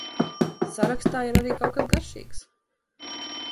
Sarakstā ir arī kaut kas garšīgs.